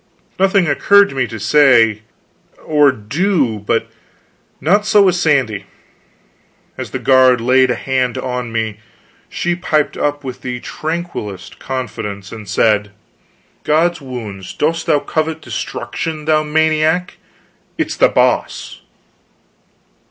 Nothing occurred to me to say or do. But not so with Sandy. As the guard laid a hand upon me, she piped up with the tranquilest confidence, and said: "God's wounds, dost thou covet destruction, thou maniac? It is The Boss!"